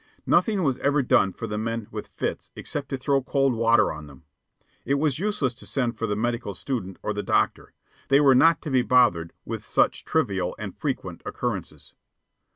Nothing was ever done for the men with fits except to throw cold water on them. It was useless to send for the medical student or the doctor. They were not to be bothered with such trivial and frequent occurrences.